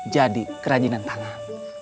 jadi kerajinan tangan